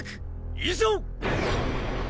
以上！